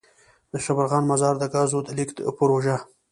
دشبرغان -مزار دګازو دلیږد پروژه.